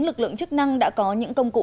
lực lượng chức năng đã có những công cụ